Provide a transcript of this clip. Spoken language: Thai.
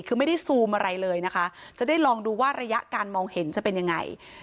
คือไม่ได้ซูมอะไรเลยนะคะจะได้ลองดูว่าระยะการมองเห็นจะเป็นยังไง